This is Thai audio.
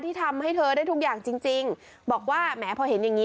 ที่ทำให้เธอได้ทุกอย่างจริงจริงบอกว่าแหมพอเห็นอย่างงี้